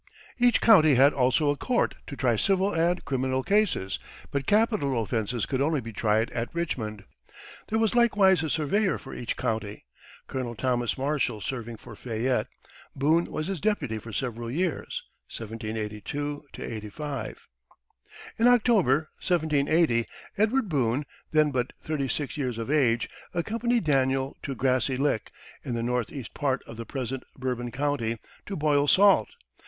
Each county had also a court to try civil and criminal cases, but capital offenses could only be tried at Richmond. There was likewise a surveyor for each county, Colonel Thomas Marshall serving for Fayette; Boone was his deputy for several years (1782 85). In October, 1780, Edward Boone, then but thirty six years of age, accompanied Daniel to Grassy Lick, in the northeast part of the present Bourbon County, to boil salt.